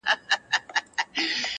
دونه لا نه یم لیونی هوښیاروې مي ولې-